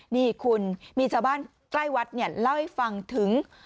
นี่คุณมีชาวบ้านใกล้วัดเนี่ยเล่าให้ฟังถึง